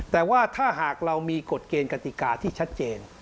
แต่ว่าถ้าหากเรามีกฎเกณฑ์กติกาที่ชัดเจน